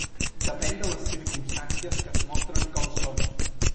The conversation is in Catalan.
Depèn de les circumstàncies que es mostren com són.